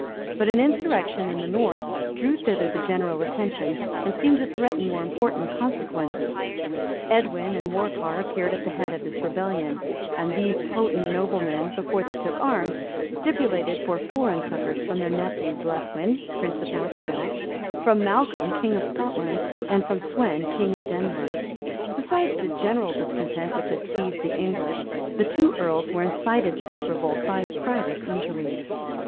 But an insurrection in the north drew thither the general attention, and seemed to threaten more important consequences. Edwin and Morcar appeared at the head of this rebellion; and these potent noblemen, before they took arms, stipulated for foreign succors from their nephew Blethyn, prince of North Wales, from Malcolm, king of Scotland and from Sweyn, king of Denmark. Besides the general discontent which had seized the English, the two earls were incited to this revolt by private injuries.